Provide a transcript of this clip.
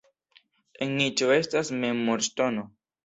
En niĉo estas memorŝtono.